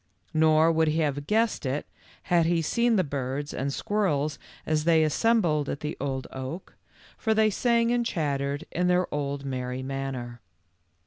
Nor would he have guessed it, had he seen the birds and squirrels as they assembled at the old oak, for 84 THE LITTLE FORESTERS. they sang and chattered in their old merry manner.